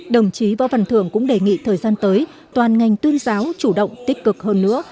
đồng chí võ văn thường cũng đề nghị thời gian tới toàn ngành tuyên giáo chủ động tích cực hơn nữa